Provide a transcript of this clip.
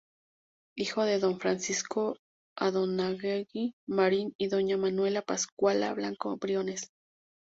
Hijo de don Francisco Andonaegui Marín y doña Manuela Pascuala Blanco Briones.